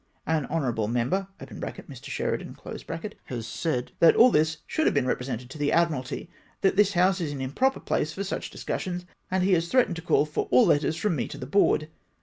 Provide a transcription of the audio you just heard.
An Hon. member (Mr. Sheridan) has said, that all this should have been represented to the Admiralty, that this House is an improper place for such discussions, and he has threatened to call for all letters from me to the Board.